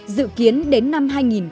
dự kiến đến năm hai nghìn hai mươi